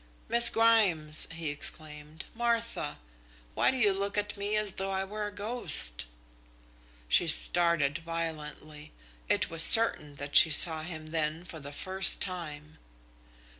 "Miss Grimes!" he exclaimed. "Martha!... Why do you look at me as though I were a ghost?" She started violently. It was certain that she saw him then for the first time.